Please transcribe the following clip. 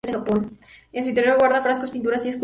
En su interior guarda frescos, pinturas y esculturas.